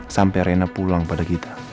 sampai rena pulang pada gita